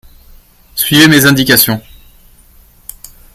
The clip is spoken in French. suivez mes indications.